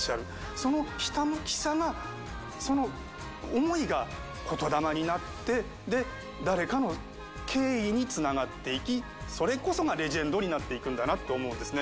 そのひたむきさがその思いが言霊になって誰かの敬意につながっていきそれこそがレジェンドになっていくんだなと思うんですね。